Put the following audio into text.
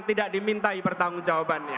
tidak dimintai pertanggung jawabannya